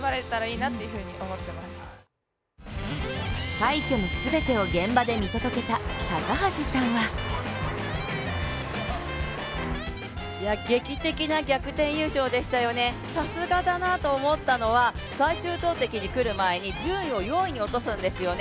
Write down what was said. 快挙の全てを現場で見届けた高橋さんはさすがだなと思ったのは最終投てきにくる前に順位を４位に落とすんですよね